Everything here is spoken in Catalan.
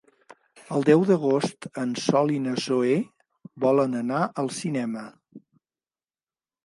El deu d'agost en Sol i na Zoè volen anar al cinema.